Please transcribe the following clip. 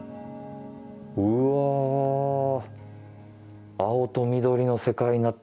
うわ青と緑の世界になった。